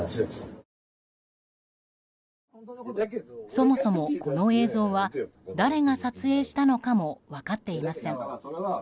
そもそもこの映像は誰が撮影したものかも分かっていません。